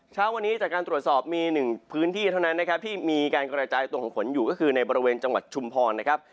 เช้าวันนี้จากการตรวจสอบมีหนึ่งพื้นที่เท่านั้นนะครับที่มีการกระจายตัวของฝนอยู่ก็คือในบริเวณจังหวัดชุมพรนะครับ